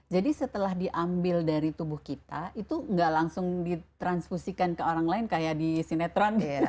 jadi setelah diambil dari tubuh kita itu gak langsung di transfusikan ke orang lain kayak di sinetron